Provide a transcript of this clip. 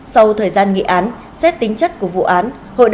sau thời gian nghị án xét tính chất của vụ án